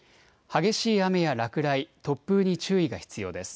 激しい雨や落雷、突風に注意が必要です。